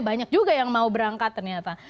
banyak juga yang mau berangkat ternyata